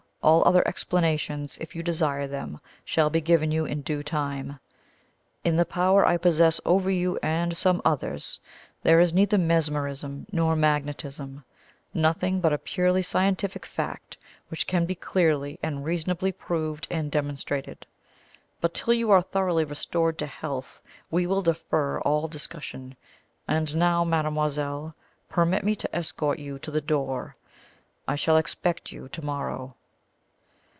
All other explanations, if you desire them, shall be given you in due time. In the power I possess over you and some others, there is neither mesmerism nor magnetism nothing but a purely scientific fact which can be clearly and reasonably proved and demonstrated. But till you are thoroughly restored to health, we will defer all discussion. And now, mademoiselle, permit me to escort you to the door. I shall expect you to morrow."